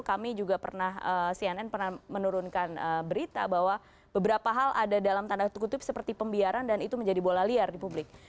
kami juga pernah cnn pernah menurunkan berita bahwa beberapa hal ada dalam tanda kutip seperti pembiaran dan itu menjadi bola liar di publik